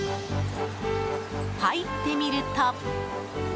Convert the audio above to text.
入ってみると。